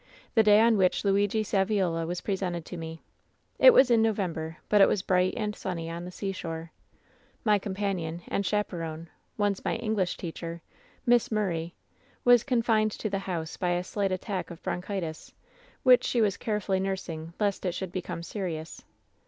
The day on which Luigi Saviola was presented to me. "It was in November; but it was bright and sunny on the seashore. "My companion and chaperon — once my English teacher — ^Miss Murray, was confined to the house by a slight attack of bronchitis, which she was carefully nurs ing lest it should become serious.